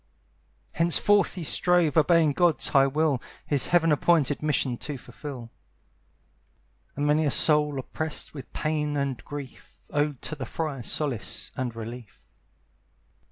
Henceforth he strove, obeying God's high will, His heaven appointed mission to fulfil. And many a soul, oppressed with pain and grief, Owed to the friar solace and relief.